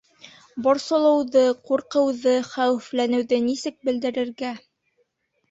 Борсолоуҙы, ҡурҡыуҙы, хәүефләнеүҙе нисек белдерергә